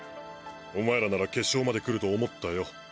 お前らなら決勝まで来ると思ったよ。